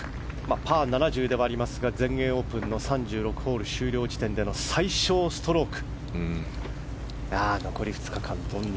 パー７０ではありますが全英オープンの３６ホール終了地点での最少ストローク。